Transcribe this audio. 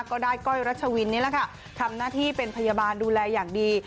ก็ได้ก้อยรัชวินนี่แหละค่ะทำหน้าที่เป็นพยาบาลดูแลอย่างดี